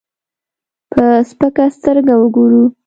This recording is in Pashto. په سپکه سترګه وګورو.